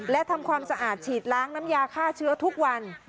และทำความสะอาดฉีดล้างน้ำยาฆ่าเชื้อทุกวัน